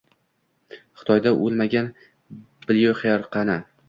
Xitoyda o’lmagan Blyuxer qani